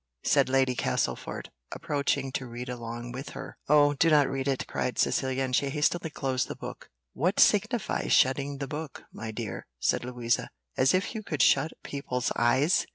said Lady Castlefort, approaching to read along with her. "Oh, do not read it," cried Cecilia, and she hastily closed the book. "What signifies shutting the book, my dear," said Louisa, "as if you could shut people's eyes?